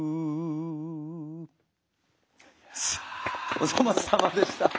お粗末さまでした。